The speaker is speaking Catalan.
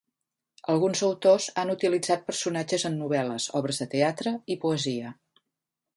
Alguns autors han utilitzat personatges en novel·les, obres de teatre i poesia.